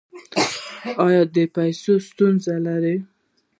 ایا د پیسو ستونزه لرئ؟